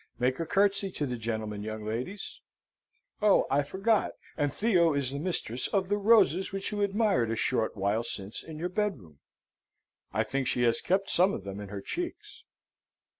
Make a curtsey to the gentleman, young ladies! Oh, I forgot, and Theo is the mistress of the roses which you admired a short while since in your bedroom. I think she has kept some of them in her cheeks."